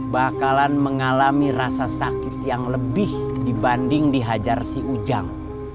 bakalan mengalami rasa sakit yang lebih dibanding dihajar si ujang